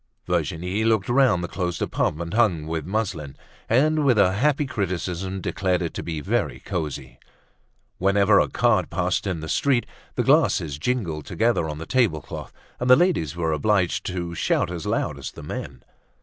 Virginie looked round the closed apartment hung with muslin and with a happy criticism declared it to be very cozy. Whenever a cart passed in the street the glasses jingled together on the table cloth and the ladies were obliged to shout out as loud as the men.